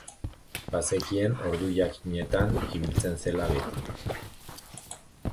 Bazekien ordu jakinetan ibiltzen zela beti.